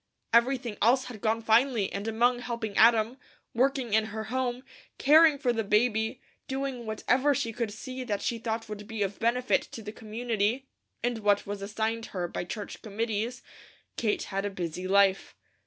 Everything else had gone finely and among helping Adam, working in her home, caring for the baby, doing whatever she could see that she thought would be of benefit to the community, and what was assigned her by church committees, Kate had a busy life.